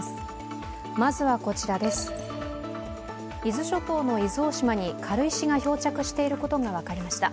伊豆諸島の伊豆大島に軽石が漂着していることが分かりました。